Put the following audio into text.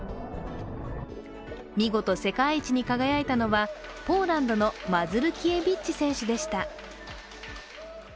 見事世界一に輝いたのはポーランドのマズルキエビッチ選手でした。